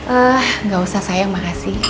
ah gak usah saya makasih